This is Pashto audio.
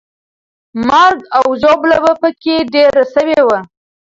مرګ او ژوبله به پکې ډېره سوې وه.